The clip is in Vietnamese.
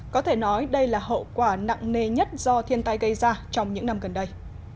có thể nói đây là hậu quả nặng nề nhất do thiên tai gây ra trong những năm gần đây